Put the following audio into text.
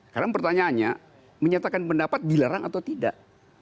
karena pertanyaannya menyatakan pendapat dilarang atau tidak